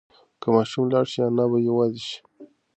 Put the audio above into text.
که ماشوم لاړ شي انا به یوازې شي.